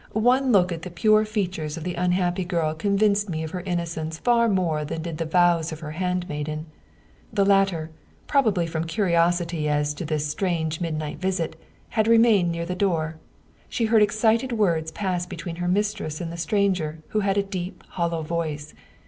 One look at the pure features of the unhappy girl convinced me of her innocence far more than did the vows of her handmaiden. The latter, probably from curiosity as to this strange midnight visit, had remained near the door. She heard excited words pass between her mistress and the stranger, who had a deep, hollow voice.